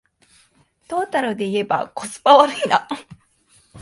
トータルでいえばコスパ悪いな